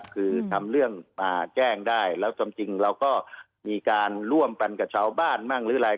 คือทำเรื่องมาแจ้งได้แล้วจริงเราก็มีการร่วมกันกับชาวบ้านมั่งหรืออะไร